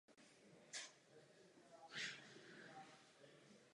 Durkheim založil svou analýzu dělby práce na rozlišení dvou ideálních typů společností.